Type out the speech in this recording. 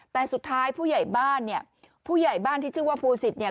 แต่สุดท้ายผู้ใหญ่บ้านเนี่ยผู้ใหญ่บ้านที่ชื่อว่าภูสิตเนี่ย